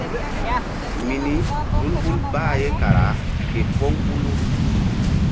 Mini tul hul bah ye kara képóŋ hulu.